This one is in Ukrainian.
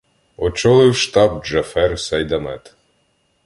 Очолив штаб Джафер Сейдамет.